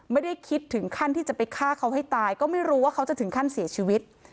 ไม่ได้คิดถึงขั้นที่จะไปฆ่าเขาให้ตายก็ไม่รู้ว่าเขาจะถึงขั้นเสียชีวิต